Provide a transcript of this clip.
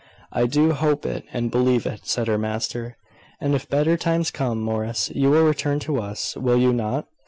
"I do hope it, and believe it," said her master. "And if better times come, Morris, you will return to us. Will you not?"